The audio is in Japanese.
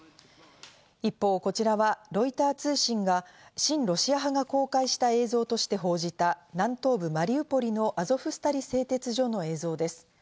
一方、こちらはロイター通信が親ロシア派が公開した映像として報じた南東部マリウポリのアゾフスタリ製鉄所の映像です。